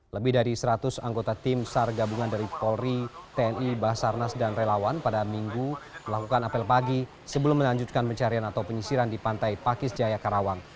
lebih dari seratus anggota tim sar gabungan dari polri tni basarnas dan relawan pada minggu melakukan apel pagi sebelum melanjutkan pencarian atau penyisiran di pantai pakis jaya karawang